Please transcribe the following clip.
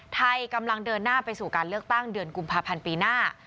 ไทยกำลังเดินหน้าไปสู่การเลือกตั้งเดือนกุมภาพันธ์ปีหน้า